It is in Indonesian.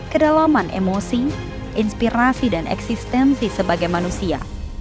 kedalaman emosi inspirasi dan eksistensi sebagai manusia